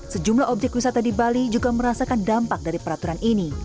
sejumlah objek wisata di bali juga merasakan dampak dari peraturan ini